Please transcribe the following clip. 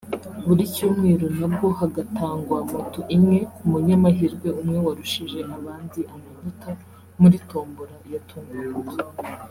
Buri cyumweru nabwo hagatangwa moto imwe ku munyamahirwe umwe warushije abandi amanota muri Tombora ya Tunga Moto